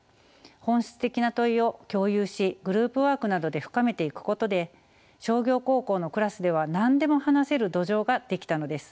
本質的な問いを共有しグループワークなどで深めていくことで商業高校のクラスでは何でも話せる土壌が出来たのです。